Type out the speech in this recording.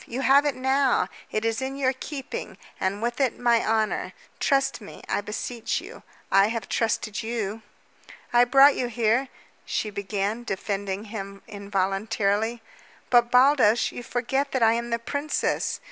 You have it now. It is in your keeping, and with it my honor. Trust me, I beseech you. I have trusted you." "I brought you here " she began, defending him involuntarily. "But, Baldos, you forget that I am the princess!"